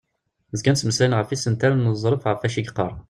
Zgan ttmeslayen ɣef yisental n uẓref ɣef wacu i yeqqar.